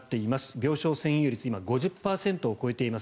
病床占有率は今、５０％を超えています。